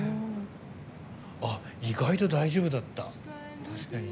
意外と大丈夫だった。